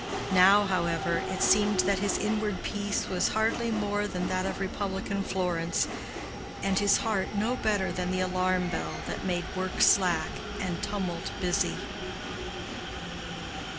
Now, however, it seemed that his inward peace was hardly more than that of republican Florence, and his heart no better than the alarm bell that made work slack and tumult busy.